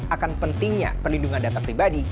akan pentingnya perlindungan data pribadi